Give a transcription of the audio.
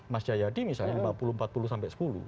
mas jayadi misalnya lima puluh empat puluh sampai sepuluh